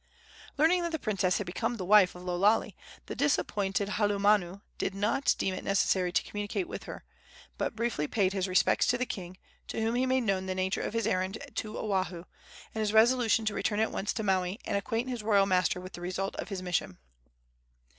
Learning that the princess had become the wife of Lo Lale, the disappointed halumanu did not deem it necessary to communicate with her, but briefly paid his respects to the king, to whom he made known the nature of his errand to Oahu, and his resolution to return at once to Maui and acquaint his royal master with the result of his mission.